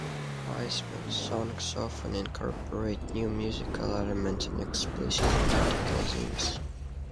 Wiseman's songs often incorporate new musical elements and explicit political themes.